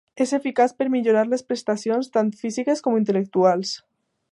És eficaç per millorar les prestacions tant físiques com intel·lectuals.